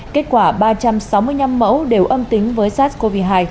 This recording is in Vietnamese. kết quả ba trăm sáu mươi năm mẫu đều âm tính với sars cov hai